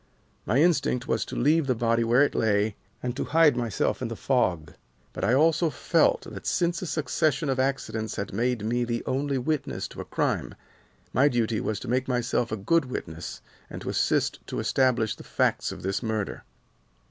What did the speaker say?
My instinct was to leave the body where it lay, and to hide myself in the fog, but I also felt that since a succession of accidents had made me the only witness to a crime, my duty was to make myself a good witness and to assist to establish the facts of this murder.